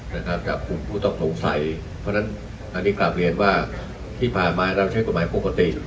นะครับจากกลุ่มผู้ต้องสงสัยเพราะฉะนั้นอันนี้กลับเรียนว่าที่ผ่านมาเราใช้กฎหมายปกติ